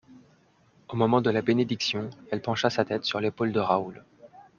Au moment de la bénédiction, elle pencha sa tête sur l'épaule de Raoul.